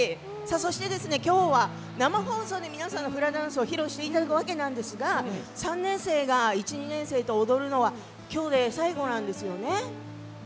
そして、今日は生放送で皆さんのフラダンスを披露していただくわけなんですが３年生が１、２年生と踊るのは今日で最後なんですよね。